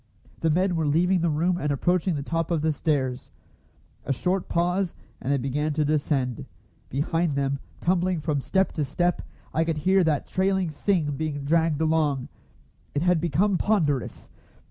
The men were leaving the room and approaching the top of the stairs. A short pause, and they began to descend. Behind them, tumbling from step to step, I could hear that trailing "thing" being dragged along. It had become ponderous!